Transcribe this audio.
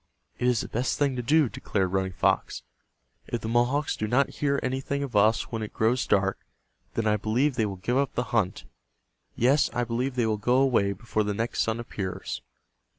"It is the best thing to do," declared Running Fox. "If the Mohawks do not hear anything of us when it grows dark, then I believe they will give up the hunt. Yes, I believe they will go away before the next sun appears."